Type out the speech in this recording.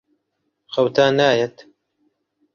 خەوتان نایەت؟